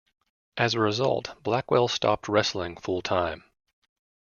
As a result, Blackwell stopped wrestling full-time.